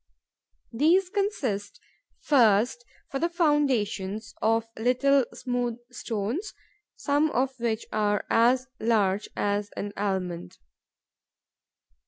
These consist, first, for the foundations, of little smooth stones, some of which are as large as an almond.